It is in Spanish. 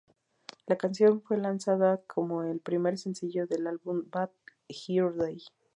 La canción fue lanzada como el primer sencillo del álbum "Bad Hair Day".